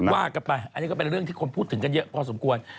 ว่ากันไปอันนี้ก็เป็นเรื่องที่คนพูดถึงกันเยอะพอสมควร